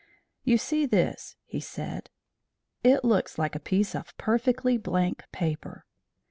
"You see this," he said, "it looks like a piece of perfectly blank paper."